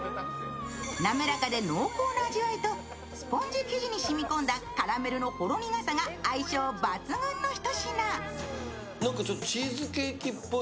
なめらかで濃厚な味わいと、スポンジ生地に染みこんだカラメルのほろ苦さが相性抜群の一品。